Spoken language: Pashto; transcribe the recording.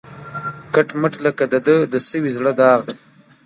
کټ مټ لکه د ده د سوي زړه داغ